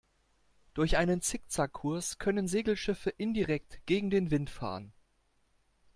Durch einen Zickzack-Kurs können Segelschiffe indirekt gegen den Wind fahren.